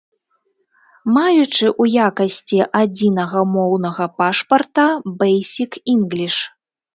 Маючы ў якасці адзінага моўнага пашпарта бэйсік-інгліш.